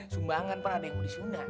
sumbangan ada yang mau disunat